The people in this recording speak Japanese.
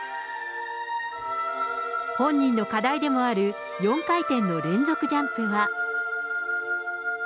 本人の課題でもある４回転の連続ジャンプは。